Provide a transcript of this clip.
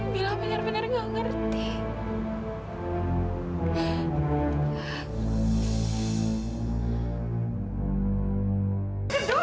bilang benar benar tidak mengerti